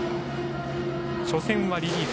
初戦はリリーフ